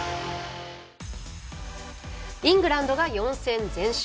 イングランドが４戦全勝。